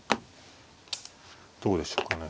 どうでしょうかね。